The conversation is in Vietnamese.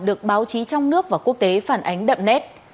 được báo chí trong nước và quốc tế phản ánh đậm nét